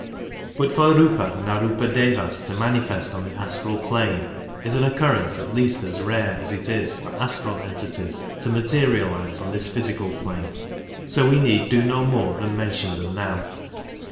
But for Rfipa and Arilpadevas to manifest on the astral plane is an occurrence at least as rare as it is for astral entities to materialize on this physical plane, so we need do no more than mention them now.